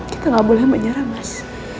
kita gak boleh menyerah mas